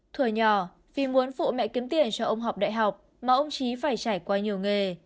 tiện cho ông học đại học mà ông trí phải trải qua nhiều nghề